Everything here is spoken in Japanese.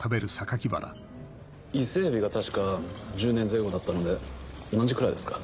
伊勢海老が確か１０年前後だったので同じくらいですか？